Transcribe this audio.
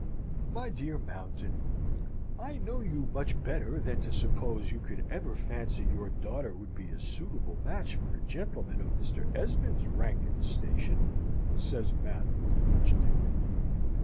"My dear Mountain, I know you much better than to suppose you could ever fancy your daughter would be a suitable match for a gentleman of Mr. Esmond's rank and station," says Madam, with much dignity.